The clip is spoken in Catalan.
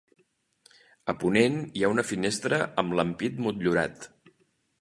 A ponent hi ha una finestra amb l'ampit motllurat.